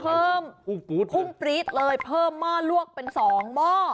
เพิ่มพุ่งปรี๊ดเลยเพิ่มหม้อลวกเป็นสองหม้อ